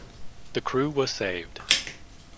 The crew was saved.